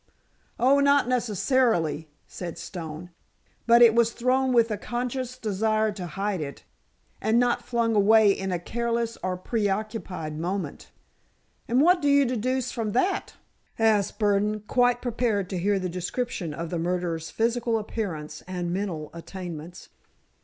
"Oh, not necessarily," said Stone. "But it was thrown with a conscious desire to hide it, and not flung away in a careless or preoccupied moment." "And what do you deduce from that?" asked Burdon, quite prepared to hear the description of the murderer's physical appearance and mental attainments.